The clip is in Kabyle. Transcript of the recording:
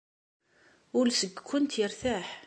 Ul seg-kent yertaḥ.